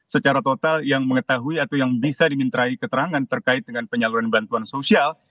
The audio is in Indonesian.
secara total yang mengetahui atau yang bisa dimintai keterangan terkait dengan penyaluran bantuan sosial